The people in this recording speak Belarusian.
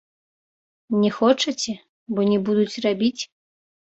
Не хочаце, бо не будуць рабіць.